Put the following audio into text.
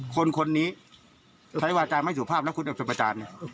คนนี้ใช้วาจาไม่สุภาพแล้วคุณเอาไปประจาน